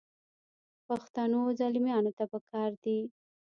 پښتنو زلمیانو ته پکار دي.